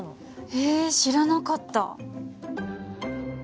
え知らなかった。